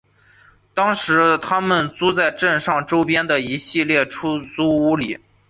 当时他们租住在镇上和周边的一系列出租屋里。